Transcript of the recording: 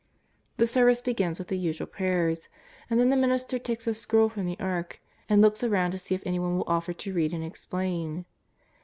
The service begins with the usual prayers, and then the minister takes a scroll from the ark and looks around to see if anyone will offer to read and explain.